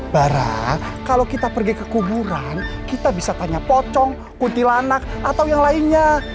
barang kalau kita pergi ke kuburan kita bisa tanya pocong kuntilanak atau yang lainnya